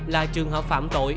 là trường hợp phạm tội